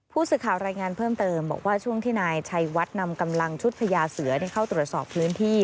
ผู้สื่อข่าวรายงานเพิ่มเติมบอกว่าช่วงที่นายชัยวัดนำกำลังชุดพญาเสือเข้าตรวจสอบพื้นที่